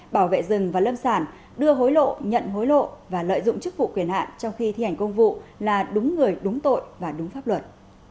bảo vệ rừng và lâm sản đưa hối lộ nhận hối lộ và lợi dụng chức vụ quyền hạn trong khi thi hành công vụ là đúng người đúng tội và đúng pháp luật